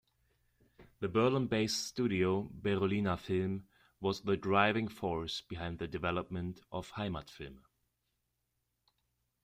The Berlin-based studio Berolina Film was the driving force behind the development of "Heimatfilme".